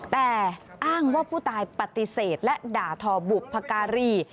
แต่อ้างว่าผู้ตายปฏิเสธและด่าทอบุพการี